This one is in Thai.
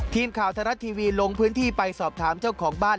ทีมข่าวไทยรัฐทีวีลงพื้นที่ไปสอบถามเจ้าของบ้าน